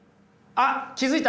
あっ気付いた？